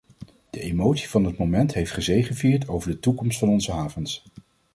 De emotie van het moment heeft gezegevierd over de toekomst van onze havens.